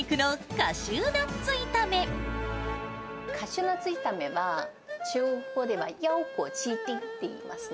カシューナッツ炒めは、中国語ではヤオグオジーディンって言いますね。